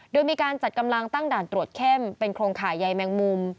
โดยมีการจัดกำลังตั้งด่านตรวจเข้มเป็นโครงข่ายใยแมงมุม